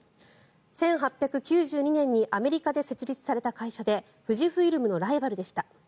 １８９２年にアメリカで設立された会社で富士フイルムのライバルでした。